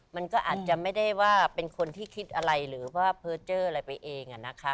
มันก็อาจจะไม่ได้ว่าเป็นคนที่คิดอะไรหรือว่าเพอร์เจอร์อะไรไปเอง